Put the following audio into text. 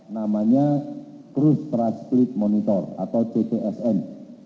namanya cruise transplit monitor atau ctsm